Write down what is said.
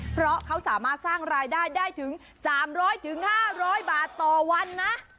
เพราะเขาสามารถสร้างรายได้ได้ถึง๓๐๐๕๐๐บาทต่อวันนะ